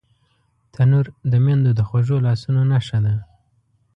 تنور د میندو د خوږو لاسونو نښه ده